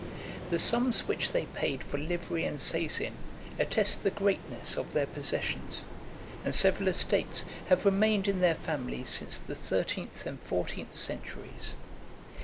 The sums which they paid for livery and seizin attest the greatness of their possessions; and several estates have remained in their family since the thirteenth and fourteenth centuries.